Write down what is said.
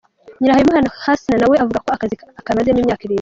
Nyirahabimana Husna na we avuga ko aka kazi akamazemo imyaka irindwi.